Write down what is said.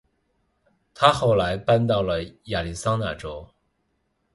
她后来搬到了亚利桑那州。